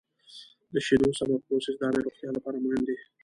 د شیدو سمه پروسس د عامې روغتیا لپاره مهم دی.